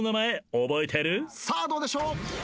さあどうでしょう。